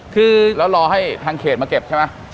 คือเรารอให้ทางเขตมาเก็บใช่ไหม